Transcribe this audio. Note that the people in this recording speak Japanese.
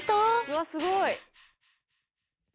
うわすごい。